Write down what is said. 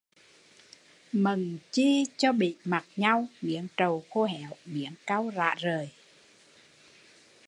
Mần chi cho bỉ mặt nhau, miếng trầu khô héo, miếng cau rã rời